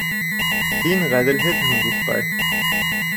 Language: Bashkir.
Һин ғәҙелһеҙһең, дуҫҡай.